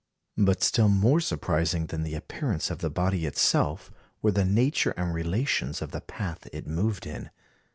But still more surprising than the appearance of the body itself were the nature and relations of the path it moved in.